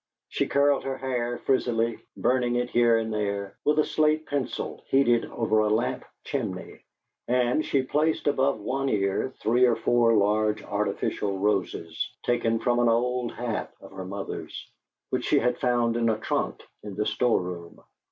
She curled her hair frizzily, burning it here and there, with a slate pencil heated over a lamp chimney, and she placed above one ear three or four large artificial roses, taken from an old hat of her mother's, which she had found in a trunk in the store room.